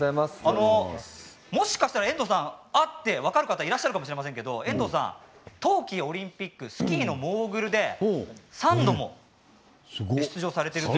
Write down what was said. もしかしたら遠藤さんあって分かる方もいるかもしれません冬季オリンピックのスキーのモーグルで３度も出場されています。